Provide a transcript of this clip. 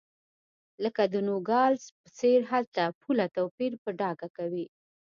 لکه د نوګالس په څېر هلته پوله توپیر په ډاګه کوي.